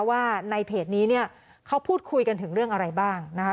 ว่าในเพจนี้เนี่ยเขาพูดคุยกันถึงเรื่องอะไรบ้างนะคะ